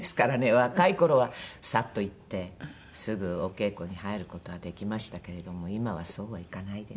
若い頃はサッと行ってすぐお稽古に入る事はできましたけれども今はそうはいかないです。